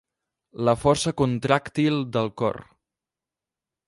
La força contràctil del cor.